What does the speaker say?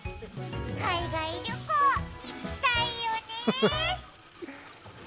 海外旅行、行きたいよね。